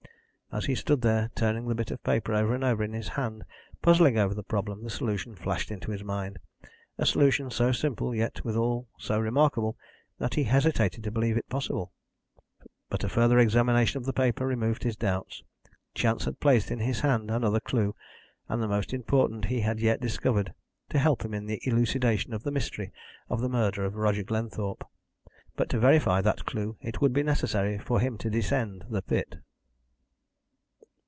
As he stood there, turning the bit of paper over and over, in his hand, puzzling over the problem, the solution flashed into his mind a solution so simple, yet, withal, so remarkable, that he hesitated to believe it possible. But a further examination of the paper removed his doubts. Chance had placed in his hands another clue, and the most important he had yet discovered, to help him in the elucidation of the mystery of the murder of Roger Glenthorpe. But to verify that clue it would be necessary for him to descend the pit.